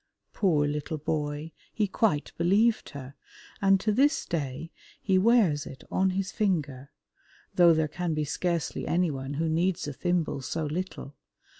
Poor little boy! he quite believed her, and to this day he wears it on his finger, though there can be scarcely anyone who needs a thimble so little.